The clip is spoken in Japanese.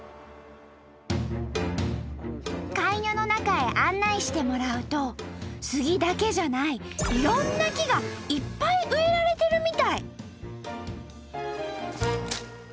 カイニョの中へ案内してもらうとスギだけじゃないいろんな木がいっぱい植えられてるみたい！